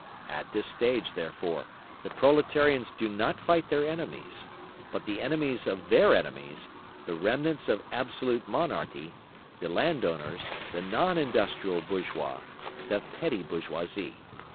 At this stage, therefore, the proletarians do not fight their enemies, but the enemies of their enemies, the remnants of absolute monarchy, the landowners, the non industrial bourgeois, the petty bourgeoisie.